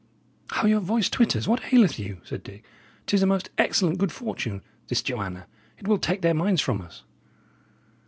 "How your voice twitters! What aileth you?" said Dick. "'Tis a most excellent good fortune, this Joanna; it will take their minds from us."